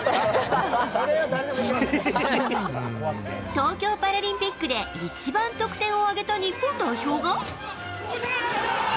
東京パラリンピックで一番得点を挙げた日本代表が。